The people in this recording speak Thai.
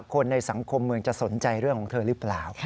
คนในสังคมเมืองจะสนใจเรื่องของเธอหรือเปล่า